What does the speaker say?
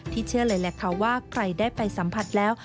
เชื่อเลยแหละค่ะว่าใครได้ไปสัมผัสแล้ว